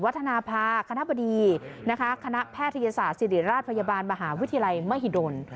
ธนภาคณะบดีนะคะคณะแพทยศาสตร์ศิริราชพยาบาลมหาวิทยาลัยมหิดล